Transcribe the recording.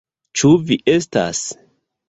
Ĉu vi estas?